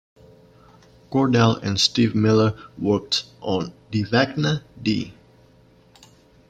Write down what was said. Cordell and Steve Miller worked on Die Vecna Die!